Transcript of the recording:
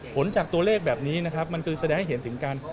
ผลจากตัวเลขแบบนี้นะครับมันคือแสดงให้เห็นถึงการ